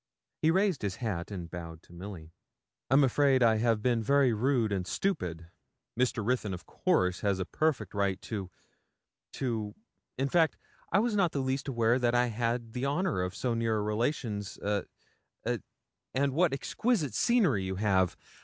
He raised his hat and bowed to Milly. 'I'm afraid I've been very rude and stupid. Mr. Ruthyn, of course, has a perfect right to to in fact, I was not the least aware that I had the honour of so near a relation's a a and what exquisite scenery you have!